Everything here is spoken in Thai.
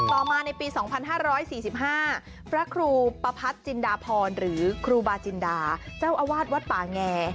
ต่อมาในปี๒๕๔๕พระครูปัดจินดาพรหรือครูบาจินดาเจ้าอาวาสวัดป่าแง